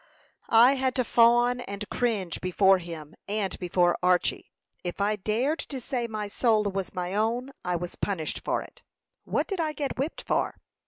"I had to fawn and cringe before him, and before Archy. If I dared to say my soul was my own, I was punished for it. What did I get whipped for?"